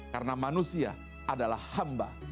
karena manusia adalah hamba